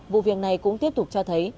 vụ việc này cũng tiếp tục cho thấy